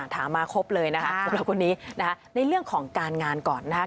ถามมาครบเลยนะครับในเรื่องของการงานก่อนนะครับ